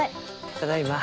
ただいま。